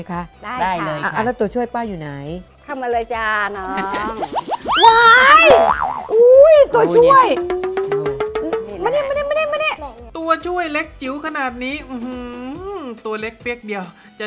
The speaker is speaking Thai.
เอาละค่ะซาบ้าคืออะไรคะ